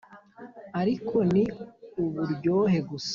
ariko ni uburyohe gusa,